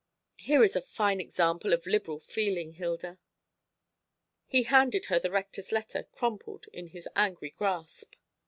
Here is a fine example of liberal feeling, Hilda." He handed her the Rector's letter, crumpled in his angry grasp.